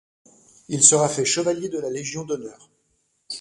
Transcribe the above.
Il sera fait Chevalier de la Légion d'honneur.